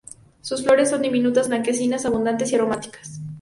Sus flores son diminutas, blanquecinas, abundantes y aromáticas.